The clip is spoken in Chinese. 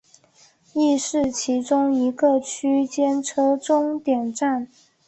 亦是其中一个区间车终点站。